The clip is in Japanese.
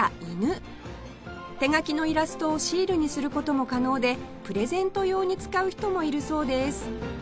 手描きのイラストをシールにする事も可能でプレゼント用に使う人もいるそうです